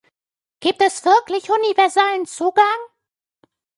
Gibt es wirklich universalen Zugang?